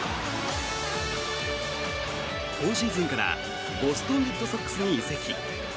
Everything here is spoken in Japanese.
今シーズンからボストン・レッドソックスに移籍。